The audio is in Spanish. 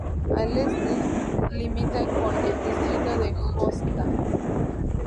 Al este limita con el distrito de Josta.